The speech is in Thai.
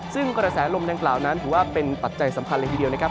ซึ่งกระแสลมดังกล่าวนั้นถือว่าเป็นปัจจัยสำคัญเลยทีเดียวนะครับ